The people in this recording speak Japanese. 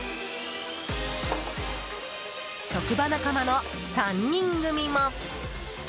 職場仲間の３人組も！